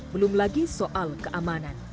belum lagi soal keamanan